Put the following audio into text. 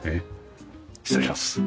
失礼します。